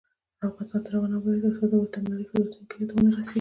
افغانستان تر هغو نه ابادیږي، ترڅو د وترنري خدمتونه کلیو ته ونه رسیږي.